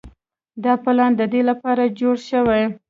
دا پلان د دې لپاره جوړ شوی